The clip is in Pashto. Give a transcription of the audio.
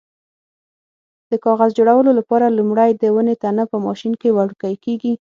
د کاغذ جوړولو لپاره لومړی د ونې تنه په ماشین کې وړوکی کېږي.